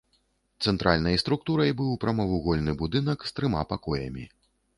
Цэнтральнай структурай быў прамавугольны будынак з трыма пакоямі.